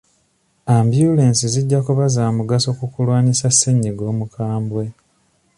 Ambyulensi zijja kuba za mugaso mu kulwanyisa Ssennyinga omukabwe.